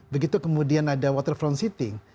begitu kemudian ada waterfront seating